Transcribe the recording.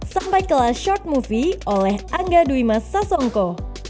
sampai kelas short movie oleh angga dwima sasongko